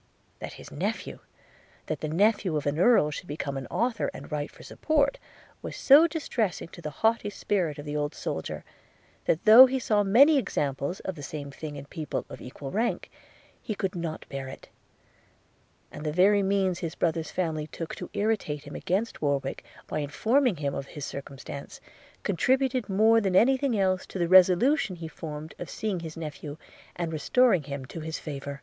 That his nephew – that the nephew of an Earl should become an author and write for support, was so distressing to the haughty spirit of the old soldier, that though he saw many examples of the same thing in people of equal rank, he could not bear it; and the very means his brother's family took to irritate him against Warwick by informing him of his circumstance, contributed more than any thing else to the resolution he formed of seeing his nephew, and restoring him to his favour.